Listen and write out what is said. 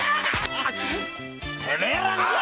てめえら！